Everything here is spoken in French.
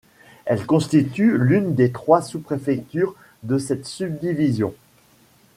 Elle constitue l'une des trois sous-préfectures de cette subdivision.